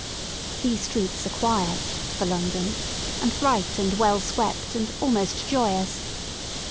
These streets are quiet, for London, and bright and well swept and almost joyous.